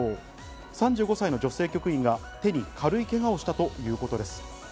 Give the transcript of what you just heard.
３５歳の女性局員が手に軽いけがをしたということです。